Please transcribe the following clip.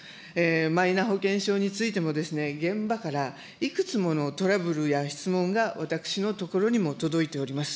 マイナ保険証についても、現場から、いくつものトラブルや質問が私のところにも届いております。